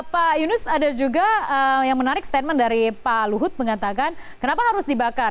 pak yunus ada juga yang menarik statement dari pak luhut mengatakan kenapa harus dibakar